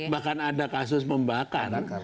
bahkan ada kasus membakar